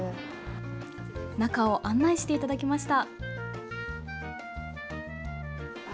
中を案内していただきました。